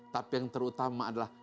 tapi yang terutama adalah